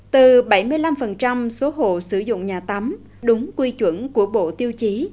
từ bảy mươi năm số hộ sử dụng nhà tắm đúng quy chuẩn của bộ tiêu chí